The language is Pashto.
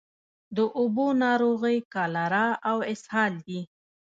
د اوبو ناروغۍ کالرا او اسهال دي.